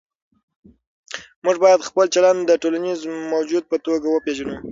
موږ باید خپل چلند د ټولنیز موجود په توګه وپېژنو.